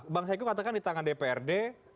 bang saiku katakan di tangan dprd